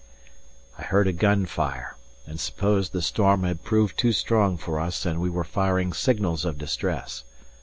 I heard a gun fire, and supposed the storm had proved too strong for us, and we were firing signals of distress.